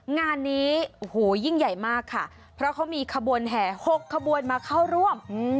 งานนี้โอ้โหยิ่งใหญ่มากค่ะเพราะเขามีขบวนแห่๖ขบวนมาเข้าร่วม